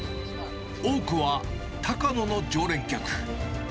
多くは多賀野の常連客。